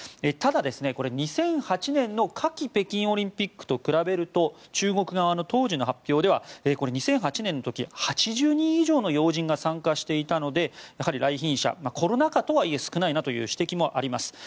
ただ、これは２００８年の夏季北京オリンピックと比べると中国側の当時の発表では２００８年の時８０人以上の要人が参加していたのでやはり来賓者、コロナ禍とはいえ少ないなという指摘もあります。